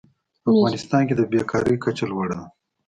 په افغانستان کې د بېکارۍ کچه لوړه ده.